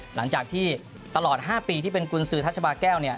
หลังจากที่ตลอด๕ปีที่เป็นกุญสือทัชบาแก้วเนี่ย